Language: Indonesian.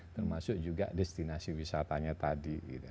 termasuk juga destinasi wisatanya tadi